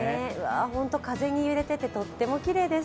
本当に風に揺れていて、とってもきれいです。